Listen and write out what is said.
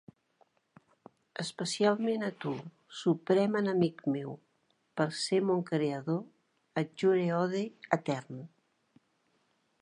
Especialment a tu, suprem enemic meu, per ser mon creador, et jure odi etern.